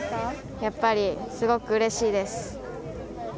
やっぱりすごくうれしいです。